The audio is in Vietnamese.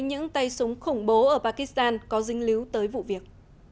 những tay súng khủng bố ở pakistan có dính líu tới vụ việc